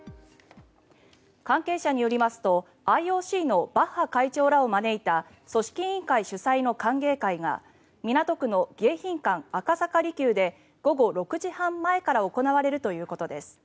関係者によりますとＩＯＣのバッハ会長らを招いた組織委員会主催の歓迎会が港区の迎賓館赤坂離宮で午後６時半前から行われるということです。